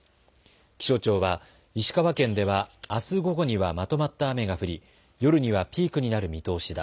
気象庁は石川県ではあす午後にはまとまった雨が降り夜にはピークになる見通しだ。